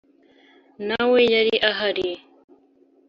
nawe yari ahali